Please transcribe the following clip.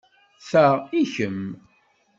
Ta i kemm.